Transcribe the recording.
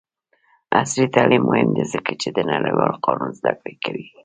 عصري تعلیم مهم دی ځکه چې د نړیوال قانون زدکړه کوي.